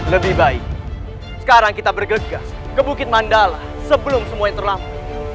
lebih baik sekarang kita bergegas ke bukit mandala sebelum semua yang terlampau